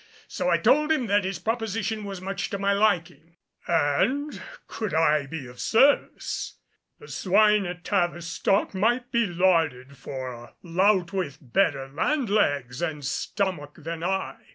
So I told him that his proposition was much to my liking, and, could I be of service, the swine at Tavistock might be larded for a lout with better land legs and stomach than I.